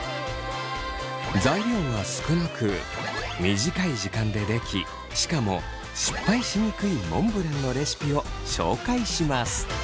材料が少なく短い時間で出来しかも失敗しにくいモンブランのレシピを紹介します。